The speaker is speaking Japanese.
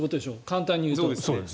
簡単に言うと。